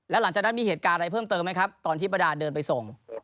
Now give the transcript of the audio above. แล้วหลังจากนั้นมีเหตุการณ์อะไรเพิ่มเติมไหมครับตอนที่ประดาเดินไปส่ง